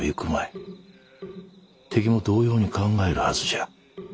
敵も同様に考えるはずじゃ。